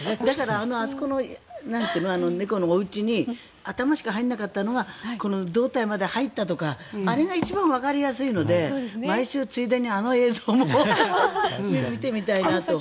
あそこの猫のおうちに頭しか入らなかったのが胴体まで入ったとかあれが一番わかりやすいので毎週、ついでにあの映像も見てみたいなと。